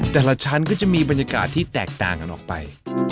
แต่ละชั้นก็จะมีบรรยากาศที่แตกต่างกันออกไป